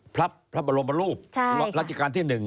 พลับบรมรูปราชิการที่๑